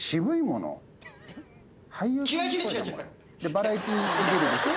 バラエティー出てるでしょ？